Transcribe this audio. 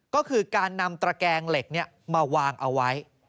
ก็คือการนำตระแกงเหล็กมาวางเอาไว้